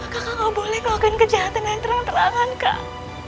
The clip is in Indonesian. kakak gak boleh melakukan kejahatan yang terang terangan kak